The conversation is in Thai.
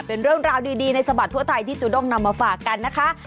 เป็นเรื่องราวดีในสบัดทั่วไทยที่จูด้งนำมาฝากกันนะคะ